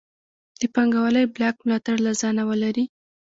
د پانګوالۍ بلاک ملاتړ له ځانه ولري.